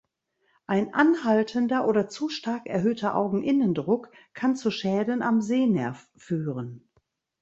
Ein anhaltender oder zu stark erhöhter Augeninnendruck kann zu Schäden am Sehnerv führen.